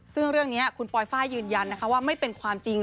ซึ่งด้วยคุณปลอยฝ้ายืนยันว่าไม่เป็นความจริง